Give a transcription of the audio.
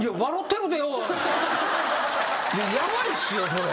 いやヤバいっすよそれ。